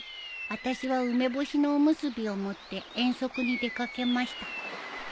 ［あたしは梅干しのおむすびを持って遠足に出掛けました］